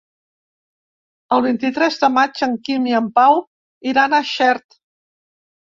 El vint-i-tres de maig en Quim i en Pau iran a Xert.